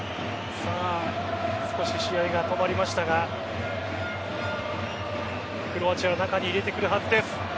少し試合が止まりましたがクロアチア中に入れてくるはずです。